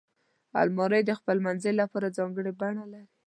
الماري د پخلنځي لپاره ځانګړې بڼه لري